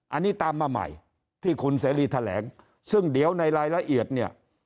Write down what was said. อันนี้ตามมาใหม่ที่คุณเสรีแถลงซึ่งเดี๋ยวในรายละเอียดเนี่ย